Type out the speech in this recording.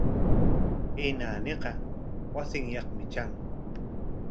Kay naaniqa wasinyaqmi tran.